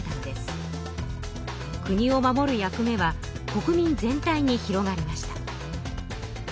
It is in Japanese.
国を守る役目は国民全体に広がりました。